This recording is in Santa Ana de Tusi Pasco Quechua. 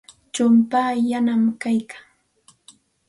Chumpaa yanami kaykan.